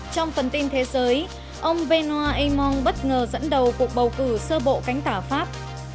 trong phần tin thế giới ông benoa emong bất ngờ dẫn đầu cuộc bầu cử sơ bộ cánh tả pháp